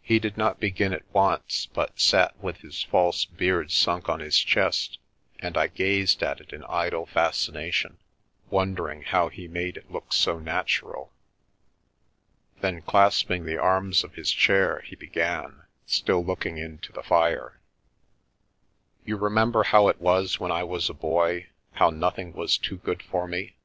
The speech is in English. He did not begin at once, but sat with his false beard sunk on his chest and I gazed at it in idle fascination, wondering how he made it look so natural. Then, clasp ing the arms of his chair, he began, still looking into the fire. " You remember how it was when I was a boy, how nothing was too good for me ?